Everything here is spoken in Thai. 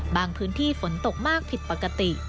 พื้นที่ฝนตกมากผิดปกติ